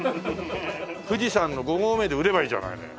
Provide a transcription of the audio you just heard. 富士山の５合目で売ればいいじゃないのよ。